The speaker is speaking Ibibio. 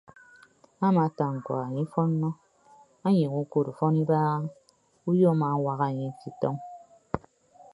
Amaata ñkuak anye ifọnnọ anyeghe ukod ufọn ibagha uyo amaawaaña anye ke itọñ.